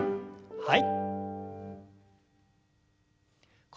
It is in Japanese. はい。